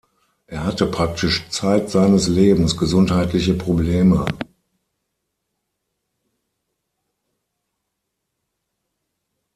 Er hatte praktisch zeit seines Lebens gesundheitliche Probleme.